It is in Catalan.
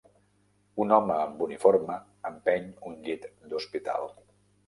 Un home amb uniforme empeny un llit d'hospital.